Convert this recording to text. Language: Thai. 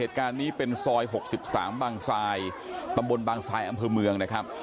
เหตุการณ์นี้เป็นซอย๖๓บางซายประมวลบางซายอำเภอเมือง